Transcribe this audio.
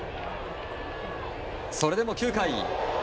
それでも９回。